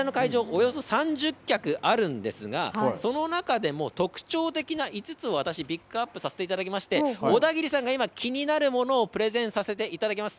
およそ３０脚あるんですが、その中でも特徴的な５つを私ピックアップさせていただきまして、小田切さんが今、気になるものをプレゼンさせていただきます。